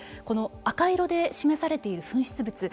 この赤色で示されている噴出物